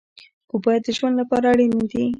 اوبه د ژوند لپاره اړینې دي.